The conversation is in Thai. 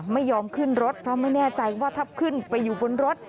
ไม่ยอมขึ้นรถเพราะไม่แน่ใจว่าถ้าขึ้นไปอยู่บนรถ